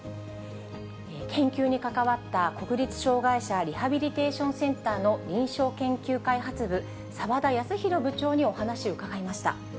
研究に関わった国立障害者リハビリテーションセンターの臨床研究開発部、澤田泰宏部長にお話を伺いました。